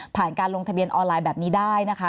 การลงทะเบียนออนไลน์แบบนี้ได้นะคะ